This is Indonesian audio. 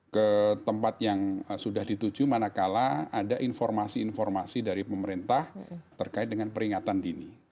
ke tempat yang sudah dituju manakala ada informasi informasi dari pemerintah terkait dengan peringatan dini